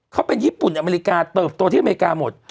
เขาเป็นญี่ปุ่นอเมริกาเติบโตที่อเมริกาหมด